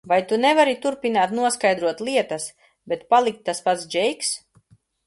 Vai tu nevari turpināt noskaidrot lietas, bet palikt tas pats Džeiks?